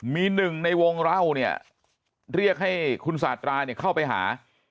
มีหนึ่งในวงเล่าเนี่ยเรียกให้คุณสาธาราเนี่ยเข้าไปหา